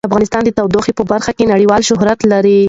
افغانستان د تودوخه په برخه کې نړیوال شهرت لري.